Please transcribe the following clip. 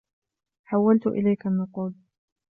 حوّلت إليك النّقود.